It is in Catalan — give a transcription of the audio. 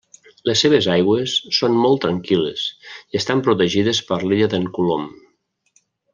Les seves aigües són molt tranquil·les i estan protegides per l'illa d'en Colom.